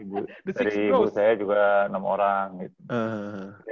dari ibu saya juga enam orang gitu